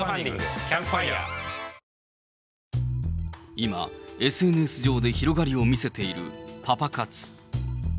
今、ＳＮＳ上で広がりを見せているパパ活。